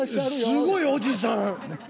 すごいおじさん。